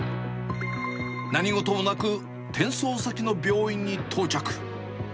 何事もなく、転送先の病院に到着。